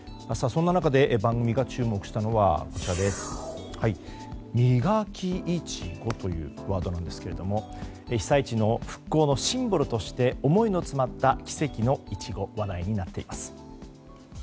そんな中で番組が注目したのはミガキイチゴというワードなんですけど被災地の復興のシンボルとして思いの詰まった奇跡のイチゴ話題になっています。